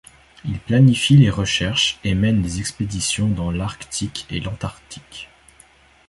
Il planifie les recherches et mène des expéditions dans l'Arctique et l'Antarctique.